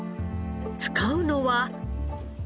使うのは。